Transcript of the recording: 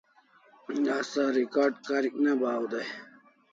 Asa recard karik ne bahaw dai